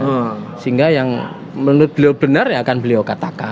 nah sehingga yang menurut beliau benar ya akan beliau katakan